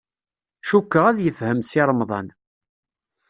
Cukkeɣ ad yefhem Si Remḍan.